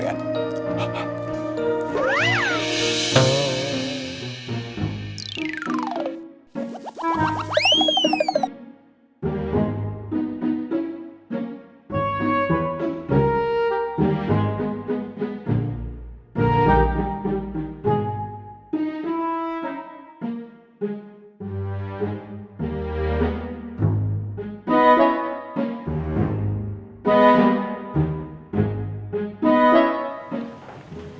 gak ada tapi berisiko